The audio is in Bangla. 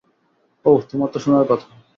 ওহ, তোমার তো শুনার কথা।